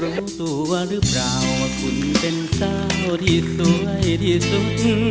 รู้ตัวหรือเปล่าว่าคุณเป็นสาวที่สวยที่สุด